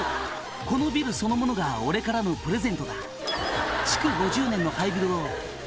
このビルそのものが俺からのプレゼントだ」